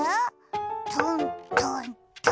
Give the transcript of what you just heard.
トントントーン。